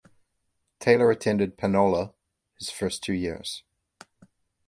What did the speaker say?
Taylor attended Panola his first two years.